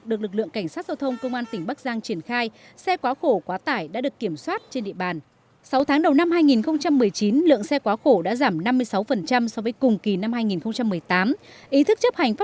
phòng cảnh sát giao thông công an tỉnh bắc giang tiếp tục đề ra giải pháp kín các tuyến địa bàn nhất là tuyến thành phố